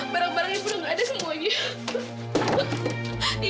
barang barang ibu udah ga ada semuanya